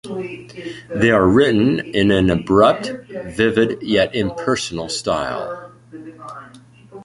They are written in an abrupt, vivid, yet impersonal style.